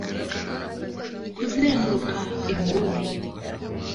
kuzenguruka inguni